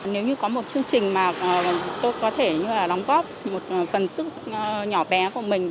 nếu như có một chương trình mà tôi có thể đóng góp một phần sức nhỏ bé của mình